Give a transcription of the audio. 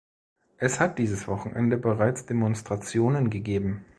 Es hat dieses Wochenende bereits Demonstrationen gegeben.